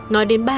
nói đến bà